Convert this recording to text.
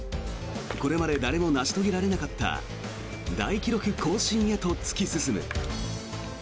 これまで誰も成し遂げられなかった大記録更新へと突き進む。